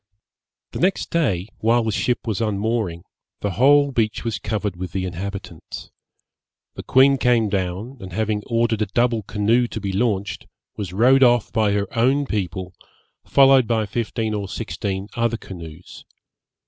The next day, while the ship was unmooring, the whole beach was covered with the inhabitants. The queen came down, and having ordered a double canoe to be launched, was rowed off by her own people, followed by fifteen or sixteen other canoes.